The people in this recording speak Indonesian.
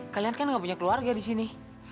kalian kan gak punya keluarga di sini